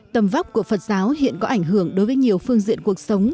tầm vóc của phật giáo hiện có ảnh hưởng đối với nhiều phương diện cuộc sống